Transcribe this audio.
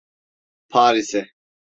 Paris'e…